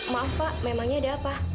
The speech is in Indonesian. maaf pak memangnya ada apa